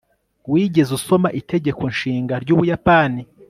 wigeze usoma itegeko nshinga ry'ubuyapani